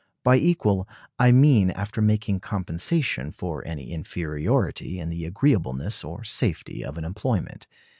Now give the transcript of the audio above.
By equal, I mean after making compensation for any inferiority in the agreeableness or safety of an employment.